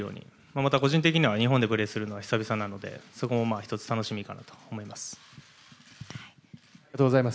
また個人的には日本でプレーするのは久々なのでそこも１つ楽しみかなと思います。